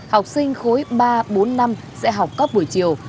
học sinh khối ba bốn năm sẽ học cấp buổi chiều